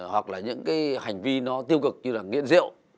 hoặc là những cái hành vi nó tiêu cực như là nghiện rượu